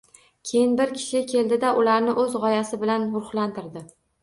Keyin bir kishi keldida, ularni o‘z g‘oyasi bilan ruhlantirdi.